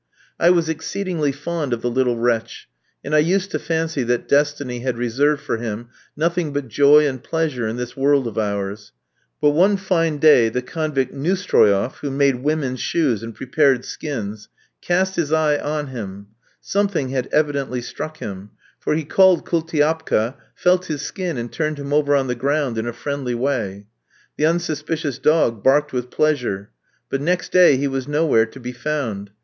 I was exceedingly fond of the little wretch, and I used to fancy that destiny had reserved for him nothing but joy and pleasure in this world of ours; but one fine day the convict Neustroief, who made women's shoes and prepared skins, cast his eye on him; something had evidently struck him, for he called Koultiapka, felt his skin, and turned him over on the ground in a friendly way. The unsuspicious dog barked with pleasure, but next day he was nowhere to be found.